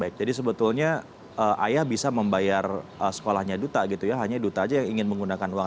baik jadi sebetulnya ayah bisa membayar sekolahnya duta gitu ya hanya duta aja yang ingin menggunakan uang